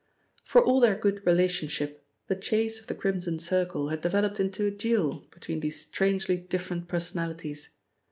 For all their good relationship, the chase of the Crimson Circle had developed into a duel between these strangely different personalities.